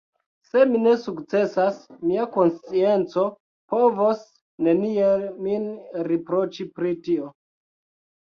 Se mi ne sukcesas, mia konscienco povos neniel min riproĉi pri tio.